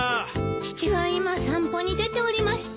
父は今散歩に出ておりまして。